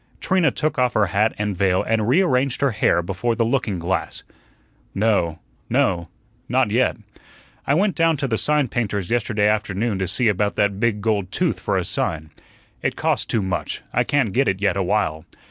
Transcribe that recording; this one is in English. Trina took off her hat and veil and rearranged her hair before the looking glass. "No, no not yet. I went down to the sign painter's yesterday afternoon to see about that big gold tooth for a sign. It costs too much; I can't get it yet a while.